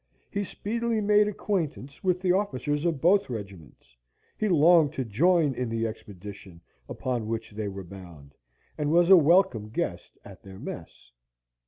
He speedily made acquaintance with the officers of both regiments; he longed to join in the expedition upon which they were bound, and was a welcome guest at their mess.